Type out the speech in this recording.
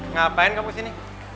ngapain kamu kesini